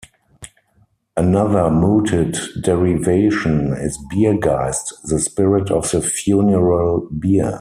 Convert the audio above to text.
Another mooted derivation is "Bier-Geist", the "spirit of the funeral bier".